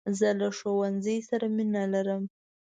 زه له ښوونځۍ سره مینه لرم .